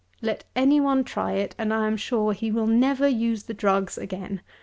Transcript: Let any one try it, and I am sure he will never use the drugs again.